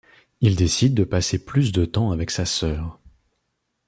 Il décide de passer plus de temps avec sa sœur.